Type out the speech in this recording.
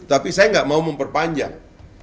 tapi saya nggak mau memperpanjang